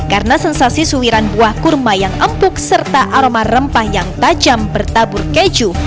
karena sensasi suwiran buah kurma yang empuk serta aroma rempah yang tajam bertabur keju